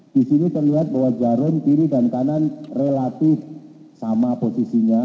di sini terlihat bahwa jarum kiri dan kanan relatif sama posisinya